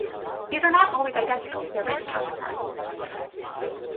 These are not always identical to their written counterparts.